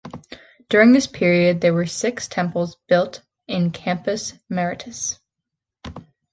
During this period there were six temples built in Campus Martius.